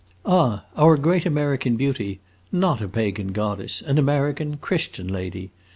"Ah, our great American beauty! Not a pagan goddess an American, Christian lady!